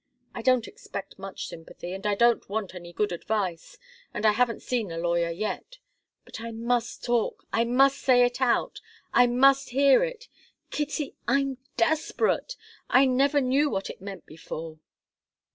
I don't expect much sympathy, and I don't want any good advice and I haven't seen a lawyer yet. But I must talk I must say it out I must hear it! Kitty I'm desperate! I never knew what it meant before."